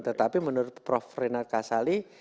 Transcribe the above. tetapi menurut prof renard kasali